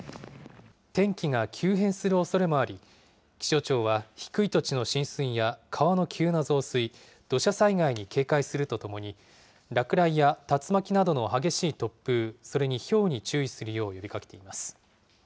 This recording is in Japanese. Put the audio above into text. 天気が急変するおそれもあり、気象庁は低い土地の浸水や川の急な増水、土砂災害に警戒するとともに、落雷や竜巻などの激しい突風、それにひょうに注意するよう呼びかけています。